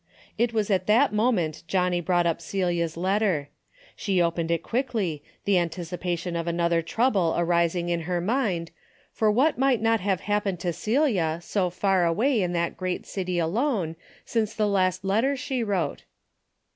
It was at that moment Johnnie brought up Celia's letter. She opened it quickly, the anticipation of another trouble arising in her mind, for what might not have happened to Celia so far away in that great city alone, since the last letter she wrote